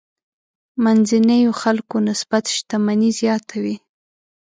منځنيو خلکو نسبت شتمني زیاته وي.